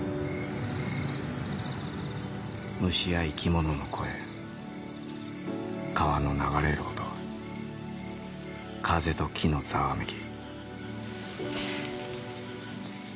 虫や生き物の声川の流れる音風と木のざわめき。